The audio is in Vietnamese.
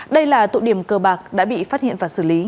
đây là tụ điểm cờ bạc đã bị phát hiện và xử lý